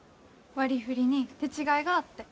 割りふりに手違いがあって。